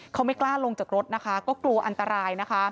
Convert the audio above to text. เขาไม่กล้าลงจากรถก็กลัวอันตราย